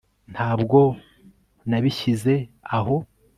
ntabwo nabishyize aho